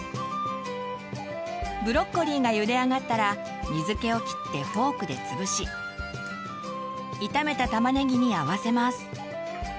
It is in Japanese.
ブロッコリーがゆで上がったら水けをきってフォークで潰し炒めたたまねぎに合わせます。